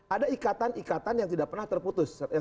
ada ikatan ikatan yang tidak pernah terputus